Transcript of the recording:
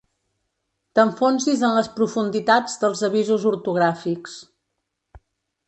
T'enfonsis en les profunditats dels avisos ortogràfics.